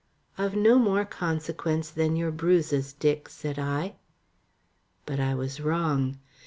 "Of no more consequence than your bruises, Dick," said I. But I was wrong.